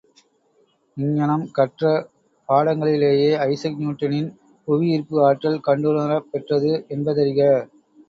இங்ஙனம் கற்ற பாடங்களிலேயே ஐசக் நியூட்டனின் புவி ஈர்ப்பு ஆற்றல் கண்டுணரப் பெற்றது என்பதறிக.